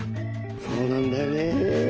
そうなんだよねえ。